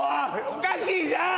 おかしいじゃん！